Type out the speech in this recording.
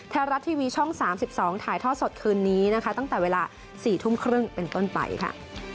ไทยรัฐทีวีช่อง๓๒ถ่ายทอดสดคืนนี้นะคะตั้งแต่เวลา๔ทุ่มครึ่งเป็นต้นไปค่ะ